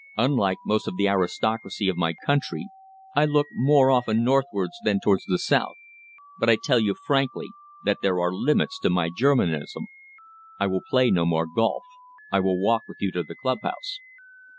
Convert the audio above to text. Unlike most of the aristocracy of my country, I look more often northwards than towards the south. But I tell you frankly that there are limits to my Germanism. I will play no more golf. I will walk with you to the club house."